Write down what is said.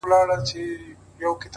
نه يوه له بله ځان سو خلاصولاى.!